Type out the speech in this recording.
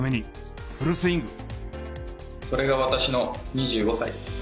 それが私の２５歳。